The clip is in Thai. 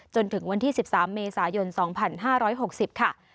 จนถึงวันที่๑๓เมษายน๒๕๖๐ค่ะ